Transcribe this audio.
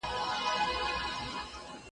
چي زمري د غوايي ولیدل ښکرونه .